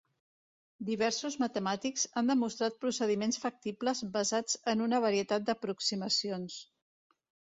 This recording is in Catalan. Diversos matemàtics han demostrat procediments factibles basats en una varietat d'aproximacions.